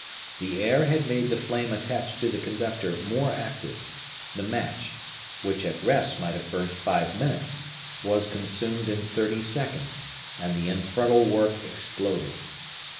The air had made the flame attached to the conductor more active; the match, which at rest might have burnt five minutes, was consumed in thirty seconds, and the infernal work exploded.